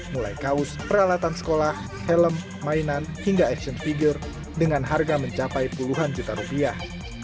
mulai kaos peralatan sekolah helm mainan hingga action figure dengan harga mencapai puluhan juta rupiah